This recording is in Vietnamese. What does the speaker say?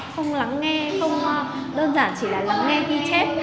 không lắng nghe không đơn giản chỉ là lắng nghe ghi chép